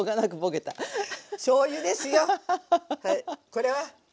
これは？